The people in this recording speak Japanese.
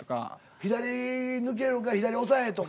左抜けるから左抑えとか。